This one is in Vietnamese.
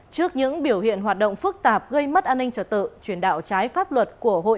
trước những biểu hiện hoạt động phức tạp gây mất an ninh trật tự